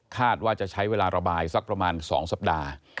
ว่าจะใช้เวลาระบายสักประมาณ๒สัปดาห์